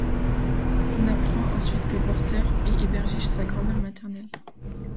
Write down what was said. On apprend ensuite que Porter est hébergé chez sa grand-mère maternelle.